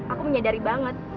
aku menyadari banget